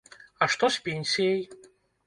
А што з пенсіяй?